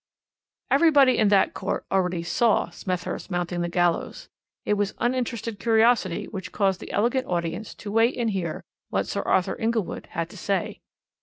"Everybody in that court already saw Smethurst mounting the gallows. It was uninterested curiosity which caused the elegant audience to wait and hear what Sir Arthur Inglewood had to say.